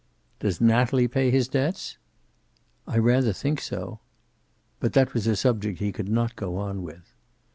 "Does Natalie pay his debts?" "I rather think so." But that was a subject he could not go on with.